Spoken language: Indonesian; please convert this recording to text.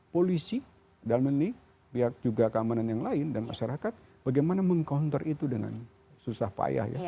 polisi dalam ini pihak juga keamanan yang lain dan masyarakat bagaimana meng counter itu dengan susah payah ya